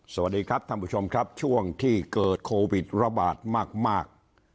สวัสดีครับท่านผู้ชมครับช่วงที่เกิดโควิดระบาดมาก